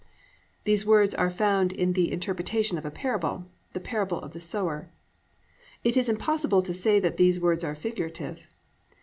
"+ These words are found in the interpretation of a parable—the Parable of the Sower. It is impossible to say that these words are figurative.